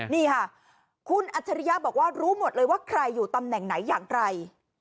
นี่ค่ะคุณอัจฉริยะบอกว่ารู้หมดเลยว่าใครอยู่ตำแหน่งไหนอย่างไร